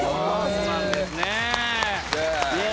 そうなんですね。